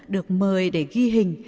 được mời để ghi hình